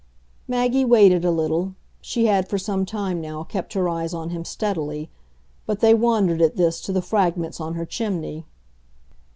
Maggie waited a little; she had for some time, now, kept her eyes on him steadily; but they wandered, at this, to the fragments on her chimney.